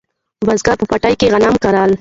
بزګر په پټي کې غنم کرل